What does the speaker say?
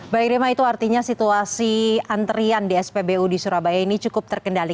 baik rima itu artinya situasi antrian di spbu di surabaya ini cukup terkendali